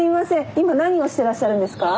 今何をしてらっしゃるんですか？